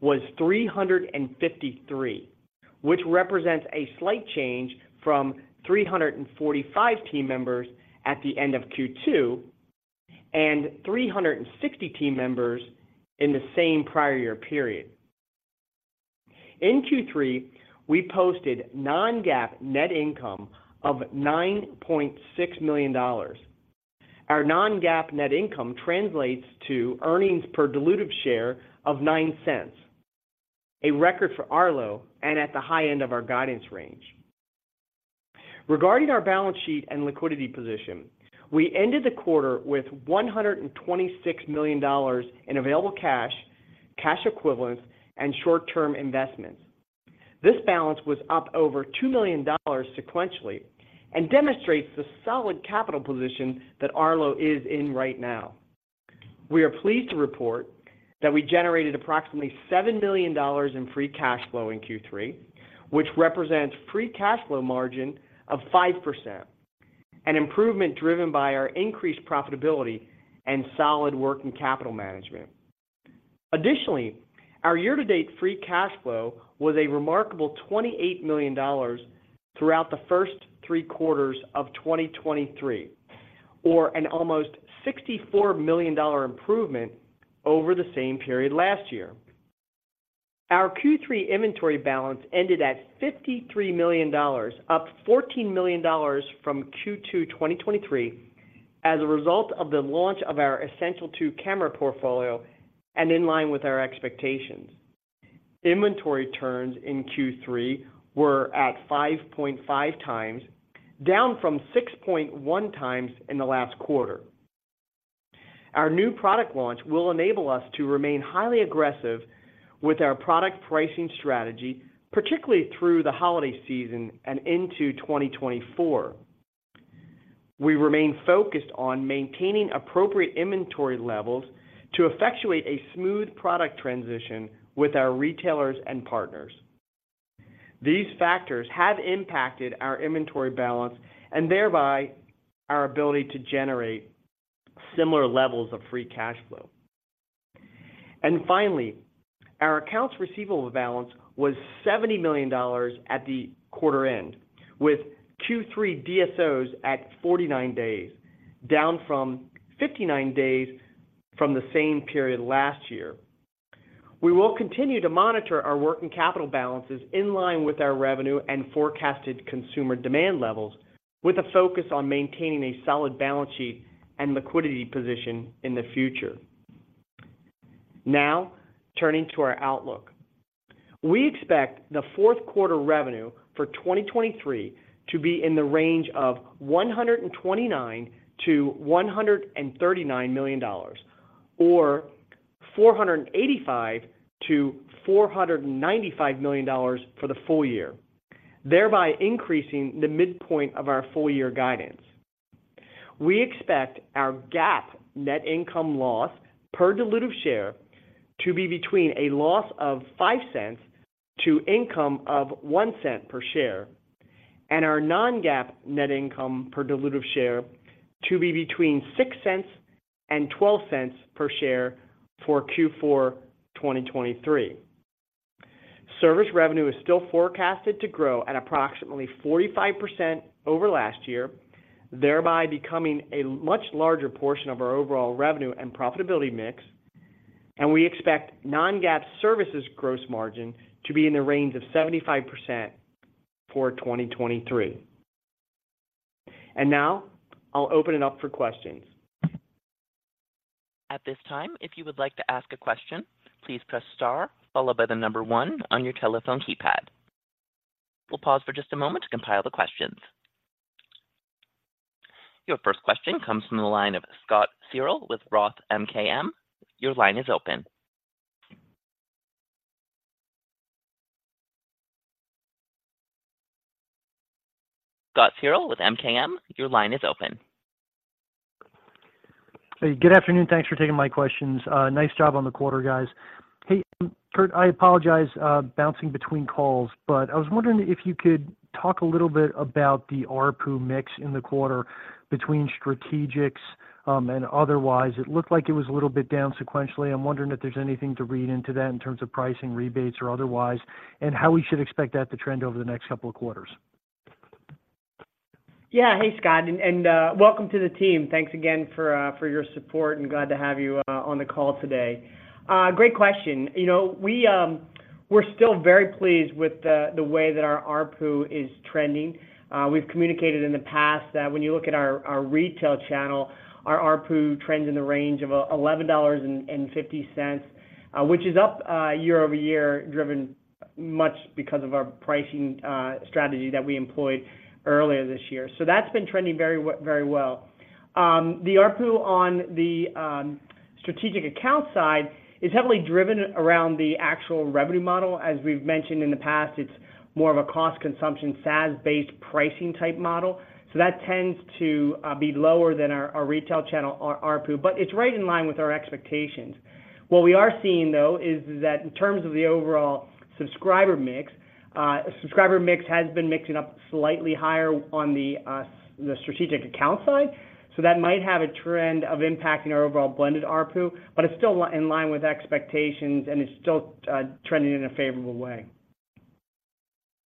was 353, which represents a slight change from 345 team members at the end of Q2, and 360 team members in the same prior year period. In Q3, we posted non-GAAP net income of $9.6 million. Our non-GAAP net income translates to earnings per dilutive share of $0.09, a record for Arlo, and at the high end of our guidance range. Regarding our balance sheet and liquidity position, we ended the quarter with $126 million in available cash, cash equivalents, and short-term investments. This balance was up over $2 million sequentially and demonstrates the solid capital position that Arlo is in right now. We are pleased to report that we generated approximately $7 million in free cash flow in Q3, which represents free cash flow margin of 5%, an improvement driven by our increased profitability and solid working capital management. Additionally, our year-to-date free cash flow was a remarkable $28 million throughout the first three quarters of 2023, or an almost $64 million improvement over the same period last year. Our Q3 inventory balance ended at $53 million, up $14 million from Q2 2023, as a result of the launch of our Essential 2 camera portfolio and in line with our expectations. Inventory turns in Q3 were at 5.5 times, down from 6.1 times in the last quarter. Our new product launch will enable us to remain highly aggressive with our product pricing strategy, particularly through the holiday season and into 2024. We remain focused on maintaining appropriate inventory levels to effectuate a smooth product transition with our retailers and partners. These factors have impacted our inventory balance and thereby our ability to generate similar levels of free cash flow. And finally, our accounts receivable balance was $70 million at the quarter end, with Q3 DSOs at 49 days, down from 59 days from the same period last year. We will continue to monitor our working capital balances in line with our revenue and forecasted consumer demand levels, with a focus on maintaining a solid balance sheet and liquidity position in the future. Now, turning to our outlook. We expect fourth quarter revenue for 2023 to be in the range of $129 million-$139 million, or $485 million-$495 million for the full year, thereby increasing the midpoint of our full year guidance. We expect our GAAP net loss per diluted share to be between a loss of $0.05 to income of $0.01 per share, and our non-GAAP net income per diluted share to be between $0.06 and $0.12 per share for Q4 2023. Service revenue is still forecasted to grow at approximately 45% over last year, thereby becoming a much larger portion of our overall revenue and profitability mix, and we expect non-GAAP services gross margin to be in the range of 75% for 2023. Now I'll open it up for questions. At this time, if you would like to ask a question, please press star followed by the number one on your telephone keypad. We'll pause for just a moment to compile the questions. Your first question comes from the line of Scott Searle with Roth MKM. Your line is open. Scott Searle with MKM, your line is open. Hey, good afternoon. Thanks for taking my questions. Nice job on the quarter, guys. Hey, Kurt, I apologize, bouncing between calls, but I was wondering if you could talk a little bit about the ARPU mix in the quarter between strategics, and otherwise. It looked like it was a little bit down sequentially. I'm wondering if there's anything to read into that in terms of pricing, rebates or otherwise, and how we should expect that to trend over the next couple of quarters. Yeah. Hey, Scott, welcome to the team. Thanks again for your support, and glad to have you on the call today. Great question. You know, we're still very pleased with the way that our ARPU is trending. We've communicated in the past that when you look at our retail channel, our ARPU trends in the range of $11.50, which is up year-over-year, driven much because of our pricing strategy that we employed earlier this year. So that's been trending very well. The ARPU on the strategic account side is heavily driven around the actual revenue model. As we've mentioned in the past, it's more of a cost consumption, SaaS-based pricing type model, so that tends to be lower than our retail channel ARPU, but it's right in line with our expectations. What we are seeing, though, is that in terms of the overall subscriber mix, subscriber mix has been mixing up slightly higher on the strategic account side, so that might have a trend of impacting our overall blended ARPU, but it's still in line with expectations, and it's still trending in a favorable way.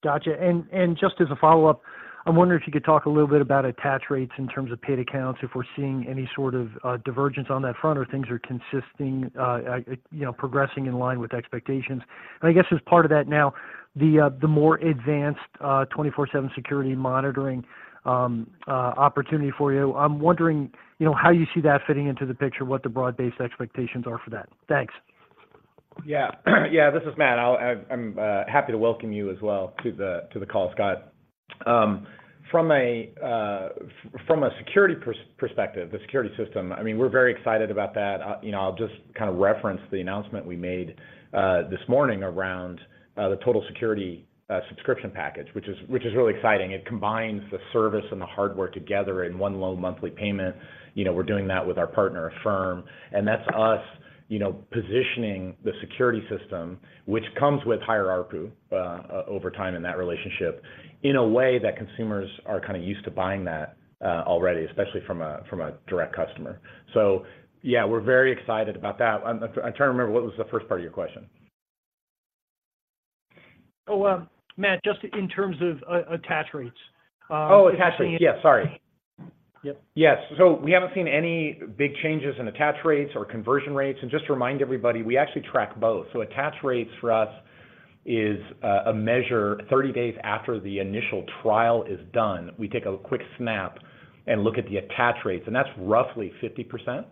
Gotcha. And just as a follow-up, I'm wondering if you could talk a little bit about attach rates in terms of paid accounts, if we're seeing any sort of divergence on that front, or things are consistent, you know, progressing in line with expectations. And I guess as part of that now, the more advanced 24/7 security monitoring opportunity for you, I'm wondering, you know, how you see that fitting into the picture, what the broad-based expectations are for that? Thanks. Yeah. Yeah, this is Matt. I'm happy to welcome you as well to the call, Scott. From a security perspective, the security system, I mean, we're very excited about that. You know, I'll just kind of reference the announcement we made this morning around the Total Security subscription package, which is really exciting. It combines the service and the hardware together in one low monthly payment. You know, we're doing that with our partner, Affirm, and that's us positioning the security system, which comes with higher ARPU over time in that relationship, in a way that consumers are kind of used to buying that already, especially from a direct customer. So yeah, we're very excited about that. I'm trying to remember, what was the first part of your question? Oh, Matt, just in terms of attach rates, Oh, Attach Rates. Yeah. Yes, sorry. Yep. Yes, so we haven't seen any big changes in attach rates or conversion rates. And just to remind everybody, we actually track both. So attach rates for us is a measure 30 days after the initial trial is done. We take a quick snap and look at the attach rates, and that's roughly 50%,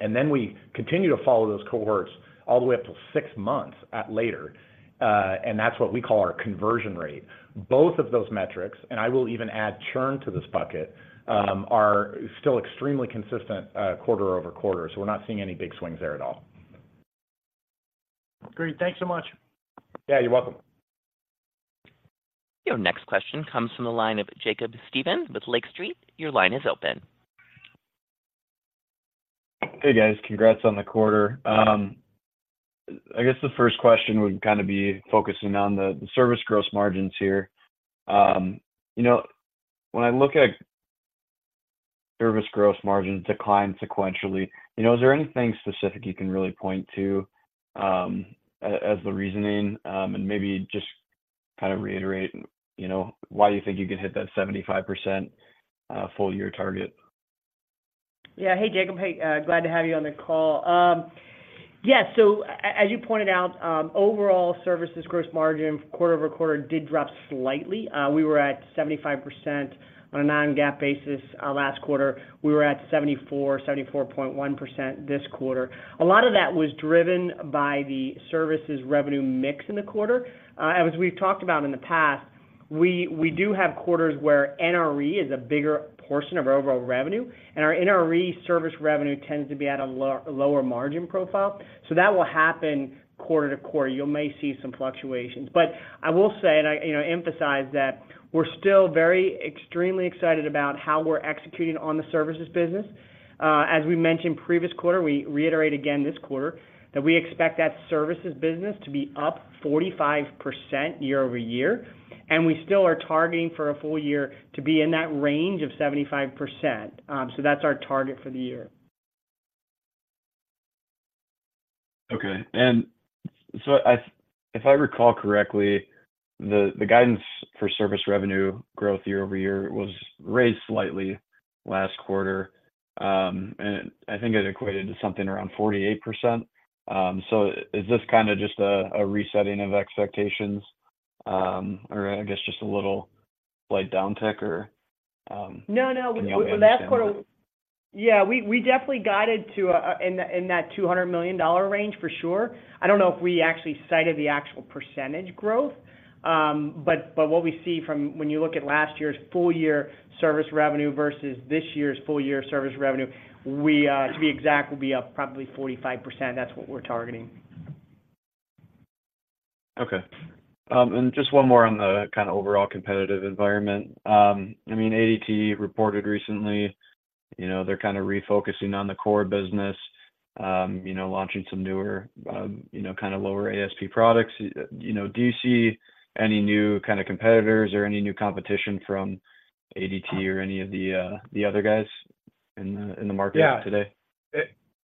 and then we continue to follow those cohorts all the way up till six months or later, and that's what we call our conversion rate. Both of those metrics, and I will even add churn to this bucket, are still extremely consistent, quarter-over-quarter, so we're not seeing any big swings there at all. Great. Thanks so much. Yeah, you're welcome. Your next question comes from the line of Jacob Stephan with Lake Street. Your line is open. Hey, guys. Congrats on the quarter. I guess the first question would kind of be focusing on the service gross margins here. You know, when I look at service gross margin decline sequentially, you know, is there anything specific you can really point to, as, as the reasoning? And maybe just kind of reiterate, you know, why you think you can hit that 75%, full year target. Yeah. Hey, Jacob. Hey, glad to have you on the call. Yeah, so as you pointed out, overall services gross margin quarter-over-quarter did drop slightly. We were at 75% on a Non-GAAP basis. Last quarter, we were at 74%, 74.1% this quarter. A lot of that was driven by the services revenue mix in the quarter. As we've talked about in the past, we do have quarters where NRE is a bigger portion of our overall revenue, and our NRE service revenue tends to be at a lower margin profile. So that will happen quarter to quarter. You may see some fluctuations. But I will say, and I, you know, emphasize that we're still very extremely excited about how we're executing on the services business. As we mentioned previous quarter, we reiterate again this quarter, that we expect that services business to be up 45% year-over-year, and we still are targeting for a full year to be in that range of 75%. So that's our target for the year. Okay. So if I recall correctly, the guidance for service revenue growth year-over-year was raised slightly last quarter, and I think it equated to something around 48%. So is this kind of just a resetting of expectations, or I guess just a little like downtick or- No, no. You know, understand that? Last quarter... Yeah, we definitely guided to a, in that $200 million range for sure. I don't know if we actually cited the actual percentage growth, but what we see from when you look at last year's full year service revenue versus this year's full year service revenue, to be exact, we'll be up probably 45%. That's what we're targeting. Okay. And just one more on the kind of overall competitive environment. I mean, ADT reported recently, you know, they're kind of refocusing on the core business, you know, launching some newer, you know, kind of lower ASP products. You know, do you see any new kind of competitors or any new competition from ADT or any of the other guys in the market? Yeah -today?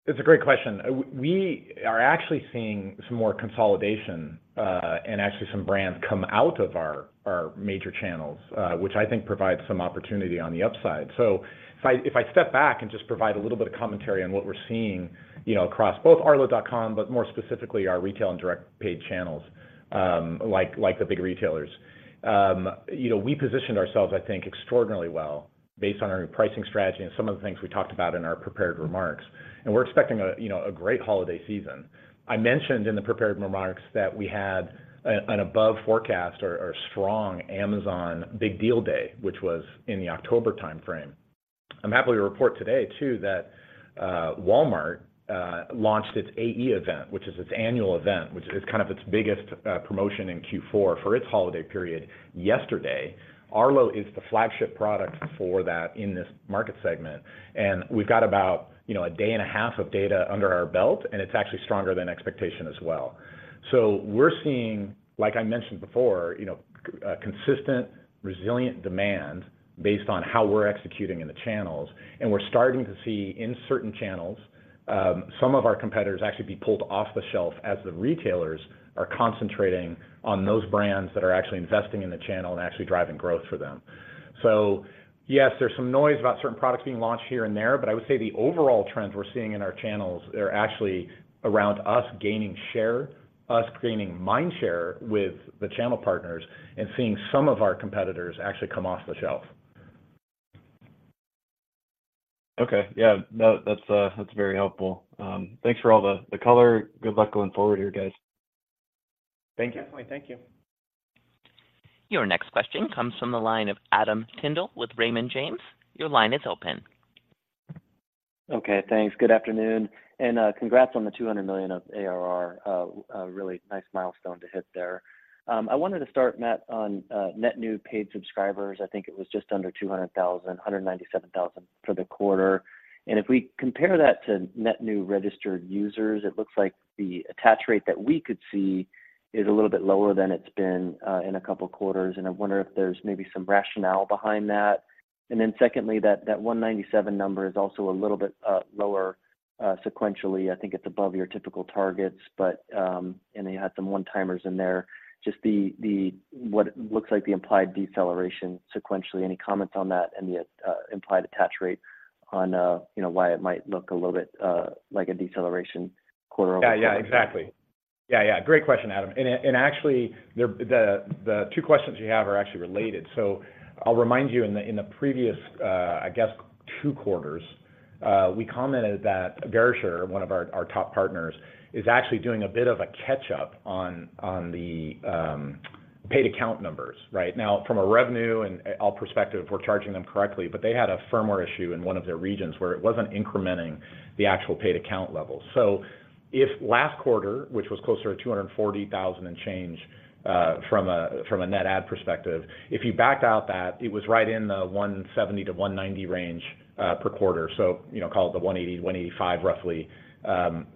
It's a great question. We are actually seeing some more consolidation, and actually some brands come out of our major channels, which I think provides some opportunity on the upside. So if I step back and just provide a little bit of commentary on what we're seeing, you know, across both Arlo.com, but more specifically, our retail and direct paid channels, like the big retailers. You know, we positioned ourselves, I think, extraordinarily well based on our pricing strategy and some of the things we talked about in our prepared remarks, and we're expecting, you know, a great holiday season. I mentioned in the prepared remarks that we had an above forecast or strong Amazon Big Deal Day, which was in the October timeframe. I'm happy to report today, too, that Walmart launched its AE event, which is its annual event, which is kind of its biggest promotion in Q4 for its holiday period yesterday. Arlo is the flagship product for that in this market segment, and we've got about, you know, a day and a half of data under our belt, and it's actually stronger than expectation as well. So we're seeing, like I mentioned before, you know, a consistent, resilient demand based on how we're executing in the channels, and we're starting to see in certain channels some of our competitors actually be pulled off the shelf as the retailers are concentrating on those brands that are actually investing in the channel and actually driving growth for them. So yes, there's some noise about certain products being launched here and there, but I would say the overall trends we're seeing in our channels are actually around us gaining share, us gaining mind share with the channel partners, and seeing some of our competitors actually come off the shelf. Okay. Yeah, no, that's, that's very helpful. Thanks for all the, the color. Good luck going forward here, guys. Thank you. Definitely. Thank you. Your next question comes from the line of Adam Tindle with Raymond James. Your line is open. Okay, thanks. Good afternoon, and congrats on the $200 million of ARR, a really nice milestone to hit there. I wanted to start, Matt, on net new paid subscribers. I think it was just under 200,000, 197,000 for the quarter. And if we compare that to net new registered users, it looks like the attach rate that we could see is a little bit lower than it's been in a couple of quarters, and I wonder if there's maybe some rationale behind that. And then secondly, that 197 number is also a little bit lower sequentially. I think it's above your typical targets, but. And you had some one-timers in there. Just what looks like the implied deceleration sequentially. Any comments on that and the implied attach rate on, you know, why it might look a little bit like a deceleration quarter-over-quarter? Yeah. Yeah, exactly. Yeah, yeah. Great question, Adam. And actually, the two questions you have are actually related. So I'll remind you, in the previous, I guess two quarters, we commented that Verisure, one of our top partners, is actually doing a bit of a catch-up on the paid account numbers right now. From a revenue and all perspective, we're charging them correctly, but they had a firmware issue in one of their regions where it wasn't incrementing the actual paid account level. So if last quarter, which was closer to 240,000 and change, from a net ad perspective, if you backed out that, it was right in the 170-190 range per quarter. So, you know, call it the 180, 185, roughly,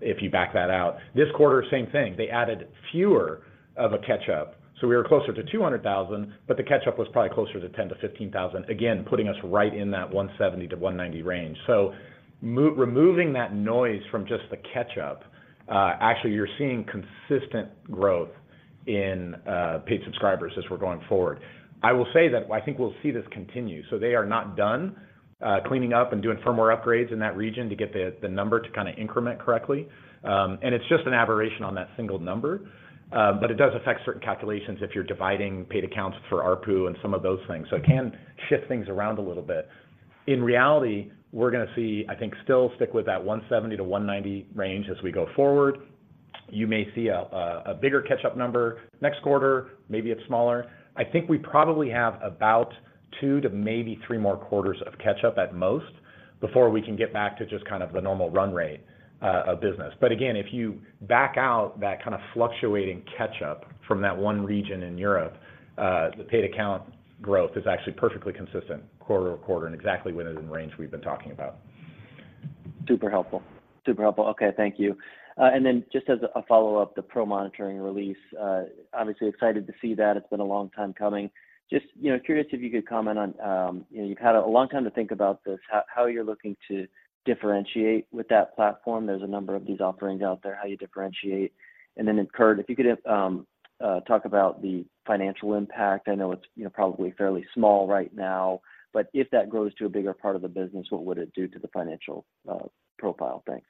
if you back that out. This quarter, same thing, they added fewer of a catch-up, so we were closer to 200,000, but the catch-up was probably closer to 10,000-15,000, again, putting us right in that 170-190 range. So, removing that noise from just the catch-up, actually, you're seeing consistent growth in paid subscribers as we're going forward. I will say that I think we'll see this continue, so they are not done cleaning up and doing firmware upgrades in that region to get the, the number to kinda increment correctly. And it's just an aberration on that single number, but it does affect certain calculations if you're dividing paid accounts for ARPU and some of those things. So it can shift things around a little bit. In reality, we're gonna see, I think, still stick with that 170-190 range as we go forward. You may see a bigger catch-up number next quarter, maybe it's smaller. I think we probably have about 2 to maybe 3 more quarters of catch-up at most, before we can get back to just kind of the normal run rate of business. But again, if you back out that kind of fluctuating catch-up from that one region in Europe, the paid account growth is actually perfectly consistent quarter-over-quarter and exactly within the range we've been talking about. Super helpful. Super helpful. Okay, thank you. And then just as a follow-up, the pro monitoring release, obviously excited to see that. It's been a long time coming. Just, you know, curious if you could comment on... You know, you've had a long time to think about this, how you're looking to differentiate with that platform. There's a number of these offerings out there, how you differentiate. And then, Kurt, if you could, talk about the financial impact. I know it's, you know, probably fairly small right now, but if that grows to a bigger part of the business, what would it do to the financial profile? Thanks.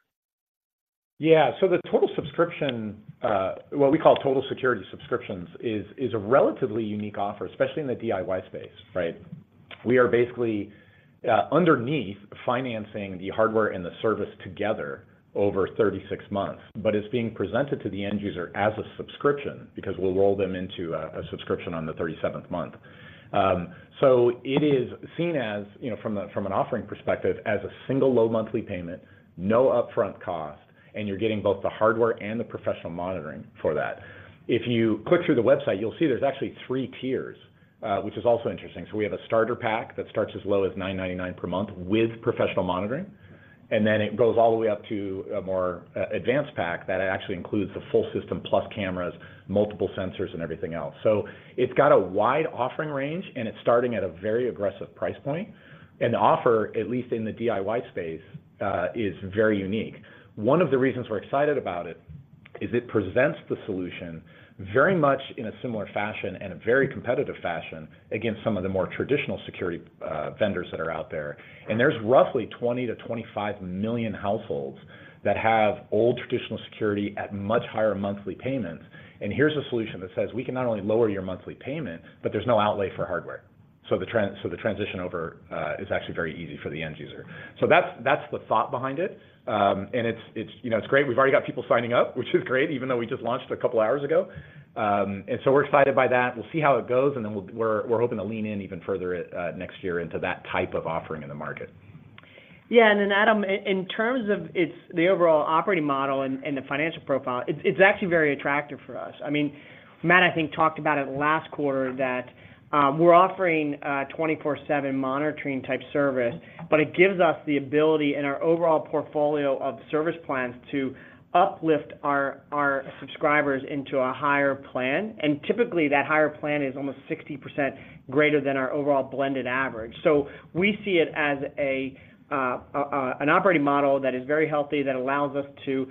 Yeah. So the total subscription, what we call Total Security subscriptions, is a relatively unique offer, especially in the DIY space, right? We are basically underneath financing the hardware and the service together over 36 months, but it's being presented to the end user as a subscription because we'll roll them into a subscription on the 37th month. So it is seen as, you know, from an offering perspective, as a single low monthly payment, no upfront cost, and you're getting both the hardware and the professional monitoring for that. If you click through the website, you'll see there's actually three tiers, which is also interesting. So we have a starter pack that starts as low as $9.99 per month with professional monitoring, and then it goes all the way up to a more, advanced pack that actually includes the full system, plus cameras, multiple sensors, and everything else. So it's got a wide offering range, and it's starting at a very aggressive price point. And the offer, at least in the DIY space, is very unique. One of the reasons we're excited about it is it presents the solution very much in a similar fashion and a very competitive fashion against some of the more traditional security, vendors that are out there. And there's roughly 20-25 million households that have old, traditional security at much higher monthly payments. And here's a solution that says we can not only lower your monthly payment, but there's no outlay for hardware. So the transition over is actually very easy for the end user. So that's the thought behind it. And it's, you know, it's great. We've already got people signing up, which is great, even though we just launched a couple of hours ago. And so we're excited by that. We'll see how it goes, and then we're hoping to lean in even further next year into that type of offering in the market.... Yeah, and then Adam, in terms of its the overall operating model and the financial profile, it's actually very attractive for us. I mean, Matt, I think talked about it last quarter, that we're offering a 24/7 monitoring-type service, but it gives us the ability in our overall portfolio of service plans to uplift our subscribers into a higher plan. And typically, that higher plan is almost 60% greater than our overall blended average. So we see it as an operating model that is very healthy, that allows us to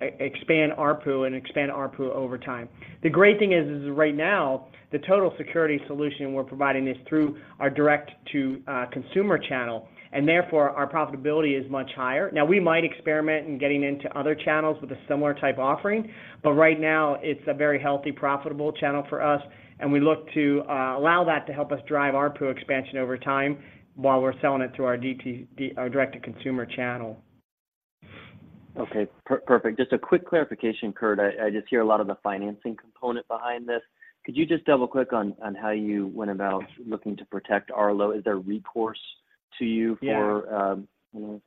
expand ARPU and expand ARPU over time. The great thing is right now, the total security solution we're providing is through our direct-to-consumer channel, and therefore, our profitability is much higher. Now, we might experiment in getting into other channels with a similar type offering, but right now it's a very healthy, profitable channel for us, and we look to allow that to help us drive ARPU expansion over time, while we're selling it through our direct-to-consumer channel. Okay, perfect. Just a quick clarification, Kurt. I just hear a lot of the financing component behind this. Could you just double-click on how you went about looking to protect Arlo? Is there recourse to you- Yeah... for, you know?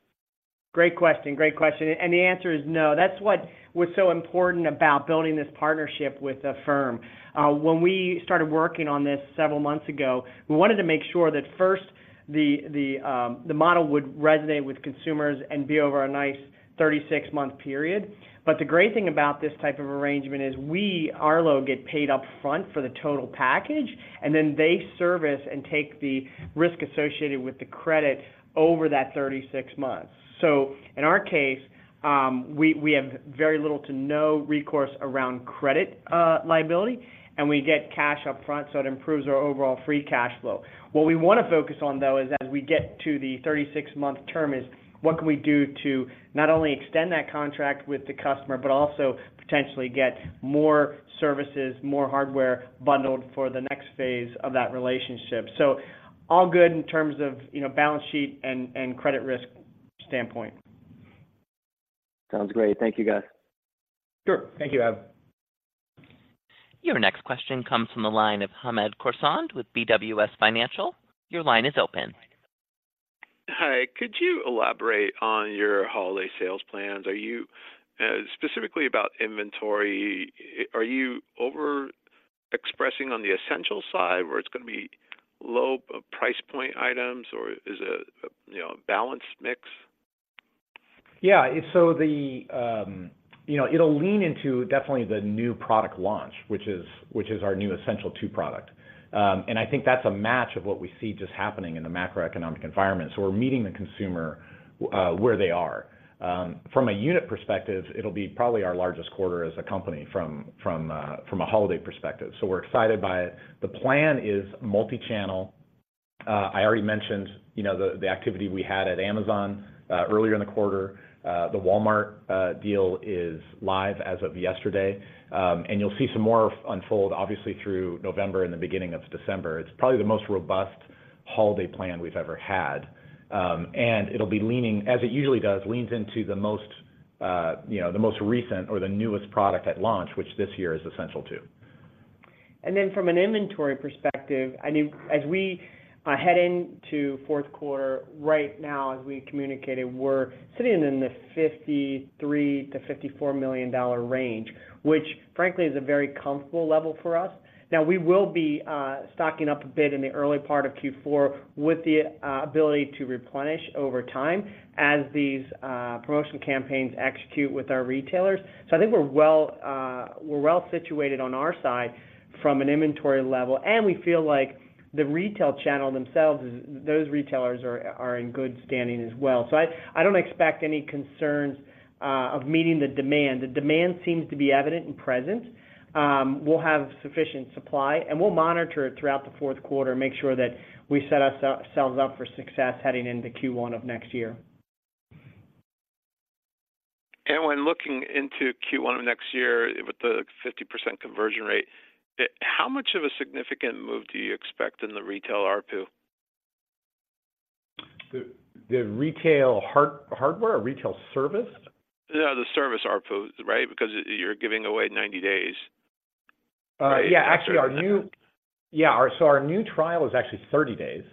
Great question. Great question. And the answer is no. That's what was so important about building this partnership with the firm. When we started working on this several months ago, we wanted to make sure that first, the model would resonate with consumers and be over a nice 36-month period. But the great thing about this type of arrangement is we, Arlo, get paid up front for the total package, and then they service and take the risk associated with the credit over that 36 months. So in our case, we, we have very little to no recourse around credit, liability, and we get cash up front, so it improves our overall free cash flow. What we wanna focus on, though, is as we get to the 36-month term, is what can we do to not only extend that contract with the customer, but also potentially get more services, more hardware bundled for the next phase of that relationship? So all good in terms of, you know, balance sheet and, and credit risk standpoint. Sounds great. Thank you, guys. Sure. Thank you, Adam. Your next question comes from the line of Hamed Khorsand with BWS Financial. Your line is open. Hi, could you elaborate on your holiday sales plans? Are you specifically about inventory, are you over expressing on the Essential side, where it's gonna be low price point items, or is it a, you know, a balanced mix? Yeah. So the, you know, it'll lean into definitely the new product launch, which is, which is our new Essential 2 product. And I think that's a match of what we see just happening in the macroeconomic environment, so we're meeting the consumer where they are. From a unit perspective, it'll be probably our largest quarter as a company from, from, from a holiday perspective, so we're excited by it. The plan is multi-channel. I already mentioned, you know, the activity we had at Amazon earlier in the quarter. The Walmart deal is live as of yesterday, and you'll see some more unfold, obviously through November and the beginning of December. It's probably the most robust holiday plan we've ever had. And it'll be leaning, as it usually does, leans into the most, you know, the most recent or the newest product at launch, which this year is Essential 2. And then from an inventory perspective, I mean, as we head into fourth quarter right now, as we communicated, we're sitting in the $53 million-$54 million range, which frankly, is a very comfortable level for us. Now, we will be stocking up a bit in the early part of Q4 with the ability to replenish over time as these promotion campaigns execute with our retailers. So I think we're well, we're well-situated on our side from an inventory level, and we feel like the retail channel themselves, is those retailers are, are in good standing as well. So I don't expect any concerns of meeting the demand. The demand seems to be evident and present. We'll have sufficient supply, and we'll monitor it throughout the fourth quarter, make sure that we set ourselves up for success heading into Q1 of next year. When looking into Q1 of next year, with the 50% conversion rate, how much of a significant move do you expect in the retail ARPU? The retail hardware or retail service? Yeah, the service ARPU, right? Because you're giving away 90 days. Actually, our new trial is actually 30 days,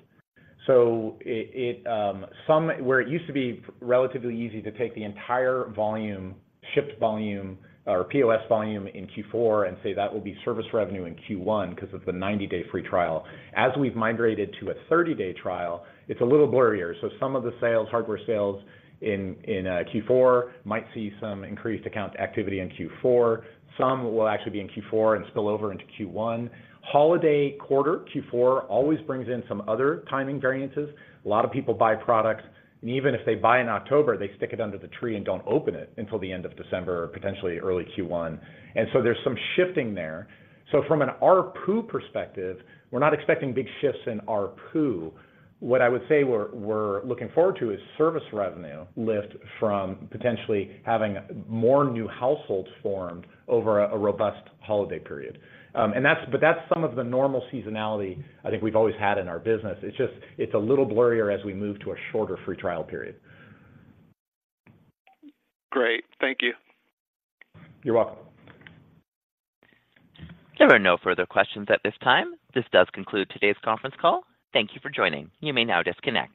so it, it, somewhere it used to be relatively easy to take the entire volume, shipped volume or POS volume in Q4 and say, "That will be service revenue in Q1," because it's a 90-day free trial. As we've migrated to a 30-day trial, it's a little blurrier. So some of the sales, hardware sales in Q4 might see some increased accounts activity in Q4. Some will actually be in Q4 and spill over into Q1. Holiday quarter, Q4, always brings in some other timing variances. A lot of people buy products, and even if they buy in October, they stick it under the tree and don't open it until the end of December or potentially early Q1, and so there's some shifting there. So from an ARPU perspective, we're not expecting big shifts in ARPU. What I would say we're looking forward to is service revenue lift from potentially having more new households formed over a robust holiday period. But that's some of the normal seasonality I think we've always had in our business. It's just, it's a little blurrier as we move to a shorter free trial period. Great. Thank you. You're welcome. There are no further questions at this time. This does conclude today's conference call. Thank you for joining. You may now disconnect.